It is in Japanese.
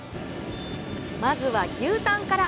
まずは牛タンから。